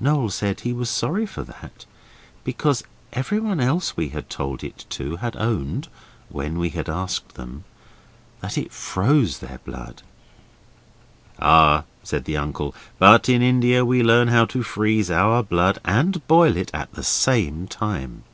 Noel said he was sorry for that, because everyone else we had told it to had owned, when we asked them, that it froze their blood. 'Ah,' said the Uncle, 'but in India we learn how to freeze our blood and boil it at the same time.